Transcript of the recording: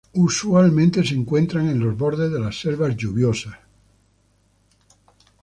Usualmente se encuentran en los bordes de las selvas lluviosas.